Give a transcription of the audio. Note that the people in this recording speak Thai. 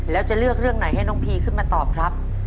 แล้วจะเลือกเรื่องไหนให้น้องพีขึ้นมาตอบครับ